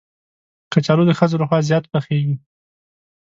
کچالو د ښځو لخوا زیات پخېږي